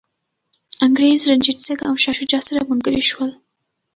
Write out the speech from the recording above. انګریز، رنجیت سنګ او شاه شجاع سره ملګري شول.